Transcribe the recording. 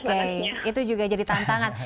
oke itu juga jadi tantangan